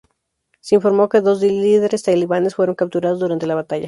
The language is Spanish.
Se informó que dos líderes talibanes fueron capturados durante la batalla.